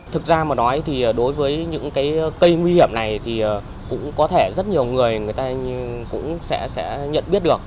thực ra mà nói thì đối với những cái cây nguy hiểm này thì cũng có thể rất nhiều người người ta cũng sẽ nhận biết được